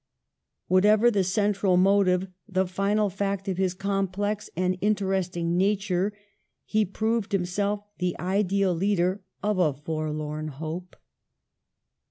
Whatever the central motive, the final fact of his complex and interesting nature, he proved him self the ideal leader of a forlorn hope.